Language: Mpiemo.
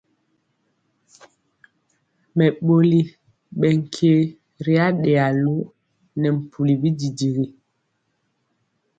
Mɛɓoli ɓɛ nkye ri aɗeya lo nɛ mpuli bididigi.